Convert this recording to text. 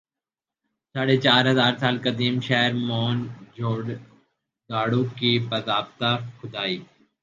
ساڑھے چار ہزار سال قدیم شہر موئن جو دڑو کی باضابطہ کھُدائی